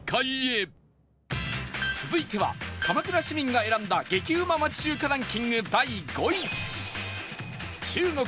続いては鎌倉市民が選んだ激うま町中華ランキング第５位